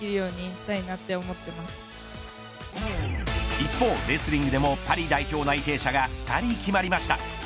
一方、レスリングでもパリ代表内定者が２人決まりました。